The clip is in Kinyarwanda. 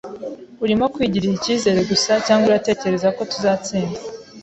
Urimo kwigirira icyizere gusa cyangwa uratekereza ko tuzatsinda?